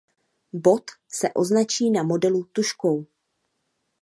Bod se označí na modelu tužkou.